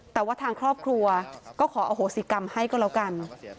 แต่ว่าทางครอบครัวก็ขออโหสิกรรมให้ก็แล้วกัน